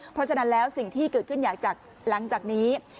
เพราะฉะนั้นแล้วสิ่งที่เกิดขึ้นอยากหลังจากนี้